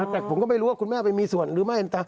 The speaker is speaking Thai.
แต่ผมก็ไม่รู้ว่าคุณแม่ไปมีส่วนหรือไม่